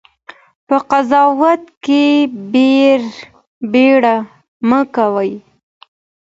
په قضاوت کې بېړه مه کوئ.